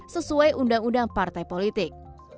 sesuai undang undang partai politik